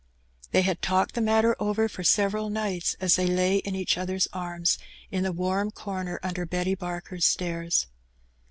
They had talked the matter over for several nights as bhey lay in each other's arms in the warm comer under Betty Barker's stairs.